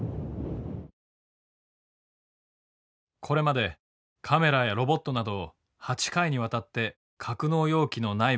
これまでカメラやロボットなどを８回にわたって格納容器の内部に投入。